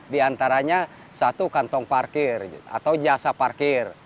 di antaranya satu kantong parkir atau jasa parkir